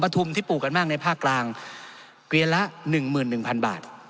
ทุมที่ปลูกกันมากในภาคกลางเกลียนละ๑๑๐๐๐บาท